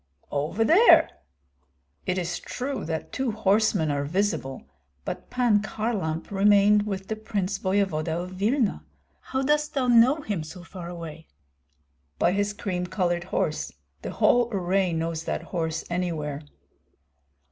"Over there!" "It is true that two horsemen are visible, but Pan Kharlamp remained with the prince voevoda of Vilna. How dost thou know him so far away?" "By his cream colored horse. The whole array knows that horse anywhere."